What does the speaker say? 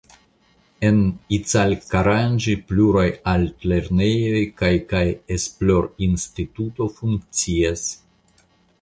En Icalkaranĝi pluraj altlernejoj kaj kaj esplorinstituto funkcias.